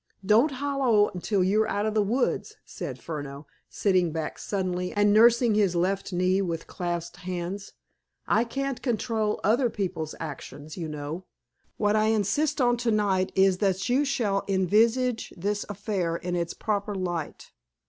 "Don't halloo till you're out of the wood." said Furneaux, sitting back suddenly and nursing his left knee with clasped hands. "I can't control other people's actions, you know. What I insist on to night is that you shall envisage this affair in its proper light.